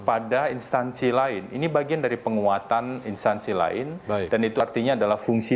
pada instansi lain ini bagian dari penguatan instansi lain dan itu artinya adalah fungsi